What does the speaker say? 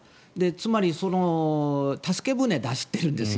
つまり助け舟を出しているんです。